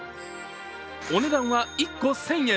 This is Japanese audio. お値段は１個１０００円。